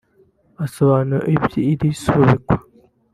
Asobanura iby’iri subikwa